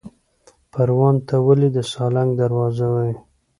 پروان ته ولې د سالنګ دروازه وایي؟